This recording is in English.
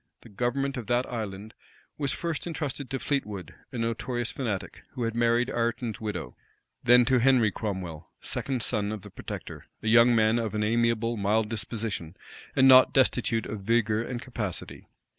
The government of that island was first intrusted to Fleetwood, a notorious fanatic, who had married Ireton's widow; then to Henry Cromwell, second son of the protector, a young man of an amiable, mild disposition, and not destitute of vigor and capacity.